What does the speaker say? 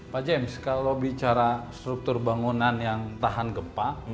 pak james kalau bicara struktur bangunan yang tahan gempa